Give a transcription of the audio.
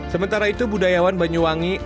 sementara itu budayawan banyuwangi